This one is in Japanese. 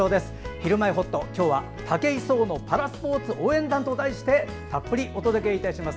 「ひるまえほっと」、今日は「武井壮のパラスポーツ応援団」と題してたっぷりお届けします。